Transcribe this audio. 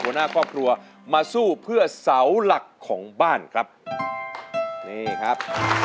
หัวหน้าครอบครัวมาสู้เพื่อเสาหลักของบ้านครับนี่ครับ